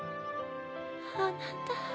あなた。